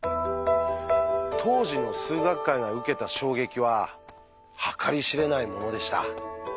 当時の数学界が受けた衝撃は計り知れないものでした。